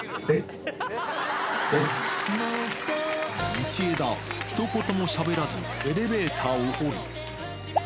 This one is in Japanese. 道枝、ひと言もしゃべらず、エレベーターを降り。